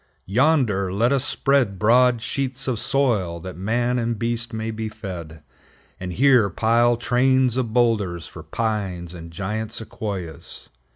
Yonder let us spread broad sheets of soil, that man and beast may be fed; and here pile trains of boulders for pines and giant Sequoias.